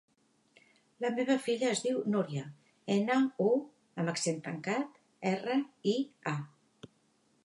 La meva filla es diu Núria: ena, u amb accent tancat, erra, i, a.